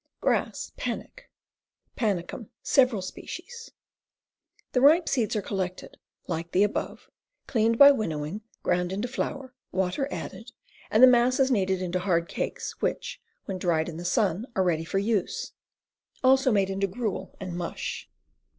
Grass, Panic. Panicum, several species. The ripe seeds are collected, like the above, cleaned by winnowing, ground into flour, water added, and the mass is kneaded into hard cakes, which, when dried in the sun are ready for use. Also made into gruel and mush.